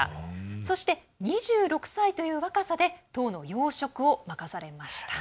そして、２６歳という若さで党の要職を任されました。